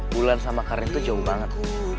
bulan sama karin tuh jauh banget